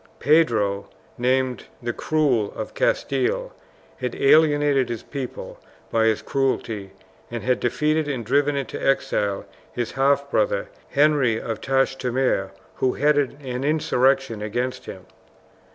Pedro, named the Cruel, of Castile, had alienated his people by his cruelty, and had defeated and driven into exile his half brother, Henry of Trastamare, who headed an insurrection against him.